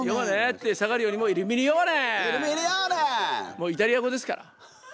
もうイタリア語ですから。